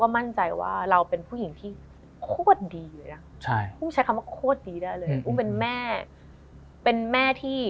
มันเป็นรักที่ดี